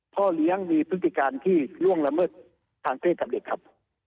พ่อเลี้ยงมีพฤติการที่ล่วงละเมิดทางเพศสำเร็จครับ